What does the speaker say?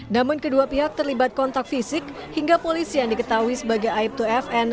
namun kedua pihak terlibat kontak fisik hingga polisi yang diketahui sebagai aib dua fn